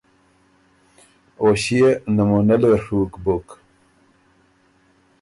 او ݭيې نمونۀ لې ڒُوک بُک۔